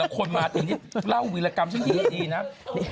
แล้วคนมาตรงนี้เล่าวิรกรรมฉันดีน่ะ